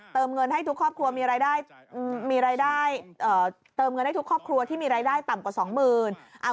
เติมเงินให้ทุกครอบครัวที่มีรายได้ต่ำกว่า๒๐๐๐๐